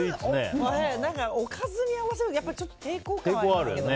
おかずに合わせるのやっぱり抵抗感はありますけど。